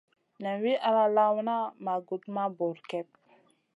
Nen wi ala lawna ma gudmaha bur kep.